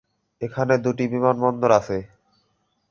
এখানে দুইটি বিমানবন্দর আছে।